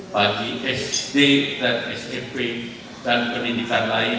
bagi sd dan smp dan pendidikan lain